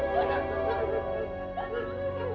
maafkan dia rahmat